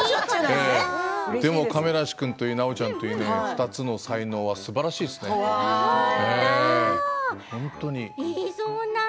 でも亀梨君といい奈緒ちゃんといい２つの才能はすばらしいですね、本当に。